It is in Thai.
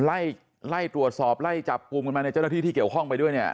ไล่ไล่ตรวจสอบไล่จับกลุ่มกันมาในเจ้าหน้าที่ที่เกี่ยวข้องไปด้วยเนี่ย